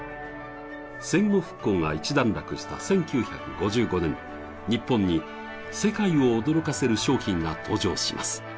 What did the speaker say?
戦後復興が一段落した１９５５年、日本に世界を驚かせる商品が登場します。